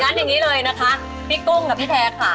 อย่างนี้เลยนะคะพี่กุ้งกับพี่แท้ค่ะ